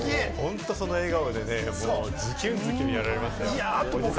その笑顔で、ズキュンズキュンやられましたよ。